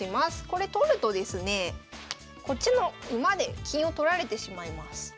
これ取るとですねこっちの馬で金を取られてしまいます。